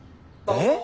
えっ？